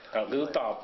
kalau gitu top